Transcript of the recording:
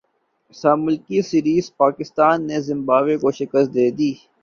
سہ ملکی سیریزپاکستان نے زمبابوے کو شکست دیدی